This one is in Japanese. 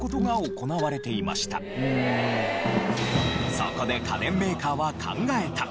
そこで家電メーカーは考えた。